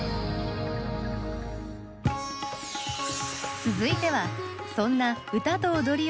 続いてはそんな歌と踊りを愛する国